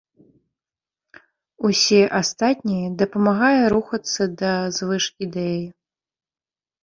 Усе астатняе дапамагае рухацца да звышідэі.